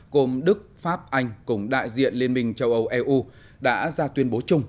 gồm đức pháp anh cùng đại diện liên minh châu âu eu đã ra tuyên bố chung